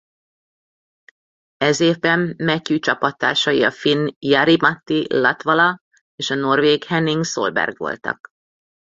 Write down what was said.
Ez évben Matthew csapattársai a finn Jari-Matti Latvala és a norvég Henning Solberg voltak.